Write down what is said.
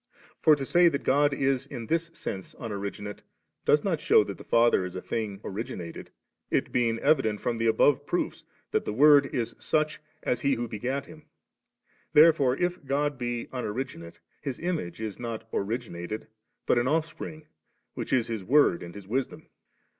For to say that God is in thb sense Unoriginate, does not shew that the Son is a thing originated, it being evident from the above proofs that the Word is such as He is who begat Him. Therefore if God be unoriginate. His Image is not origin ated, but an Ofifspring7, which is His Word and His Wisdom.